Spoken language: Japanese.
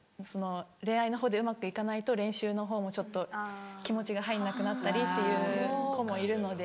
恋愛のほうでうまく行かないと練習のほうもちょっと気持ちが入んなくなったりっていう子もいるので。